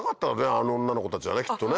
あの女の子たちはきっとね。